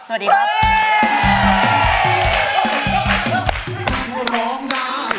สวัสดีครับ